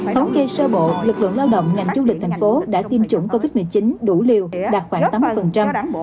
thống kê sơ bộ lực lượng lao động ngành du lịch thành phố đã tiêm chủng covid một mươi chín đủ liều đạt khoảng tám